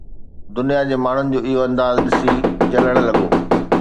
دنيا جي ماڻهن جو اهو انداز ڏسي جلڻ لڳو